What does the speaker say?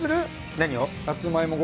何を？